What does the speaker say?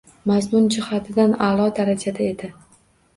Mazmun jihatidan a’lo darajada edi.